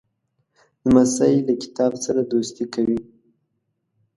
لمسی له کتاب سره دوستي کوي.